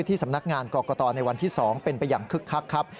สำนักงานกรกตในวันที่๒เป็นไปอย่างคึกคักครับ